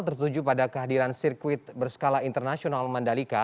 tertuju pada kehadiran sirkuit berskala internasional mandalika